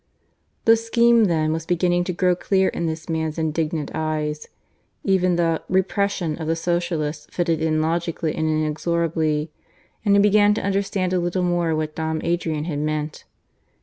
The scheme then was beginning to grow clear to this man's indignant eyes. Even the "repression" of the Socialists fitted in, logically and inexorably. And he began to understand a little more what Dom Adrian had meant.